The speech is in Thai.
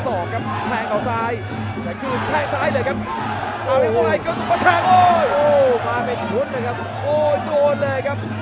โอ้โหมาเป็นชุดเลยครับโอ้โหโดนเลยครับ